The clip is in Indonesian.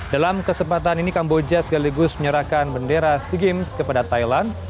dalam kesempatan ini kamboja sekaligus menyerahkan bendera sea games kepada thailand